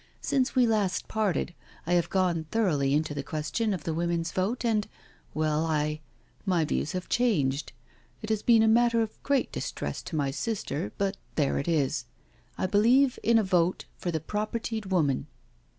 Since we last parted I have gone thoroughly into the question of the women's vote, and — well, I—my views have changed — it has been a matter of great distress to my sister, but there it is — I believe in a vote for the propertied woman."